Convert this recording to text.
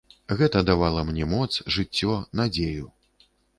Гэта давала мне моц, жыццё, надзею.